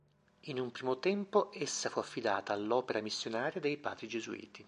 In un primo tempo essa fu affidata all'opera missionaria dei Padri Gesuiti.